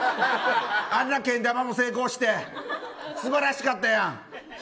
あんなけん玉も成功して素晴らしかったやん。